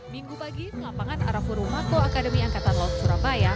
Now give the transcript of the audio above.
minggu pagi lapangan arafuru masto akademi angkatan laut surabaya